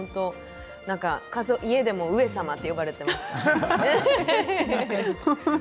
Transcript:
家でも、上様と呼ばれていました。